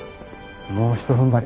もうひとふんばり。